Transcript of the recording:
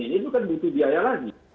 itu kan butuh biaya lagi